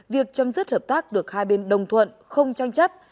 việc chấm dứt hợp tác được hai bên đồng thuận không tranh chấp